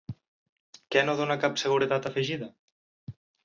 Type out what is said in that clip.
Què no dóna cap seguretat afegida?